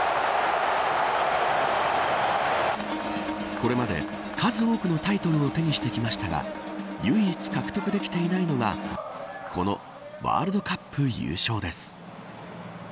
これまで、数多くのタイトルを手にしてきましたが唯一、獲得できていないのがこのワールドカップ優勝です。